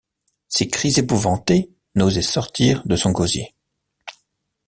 Ses cris épouvantés n’osaient sortir de son gosier.